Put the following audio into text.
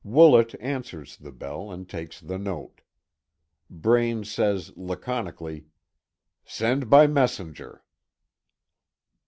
Woolet answers the bell and takes the note. Braine says laconically: "Send by messenger."